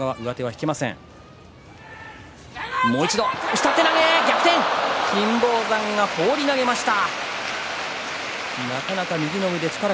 下手投げ、逆転金峰山が放り投げました。